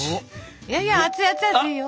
いやいや熱い熱い熱いよ